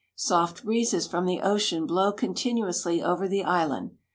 Soft breezes from the ocean blow continuously over the island.